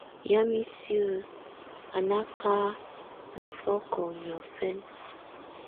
Yamɛ̀á isǝ́ á nà kà nɔ̀fɔ̀kɔ̀ niɔ̀fɛna.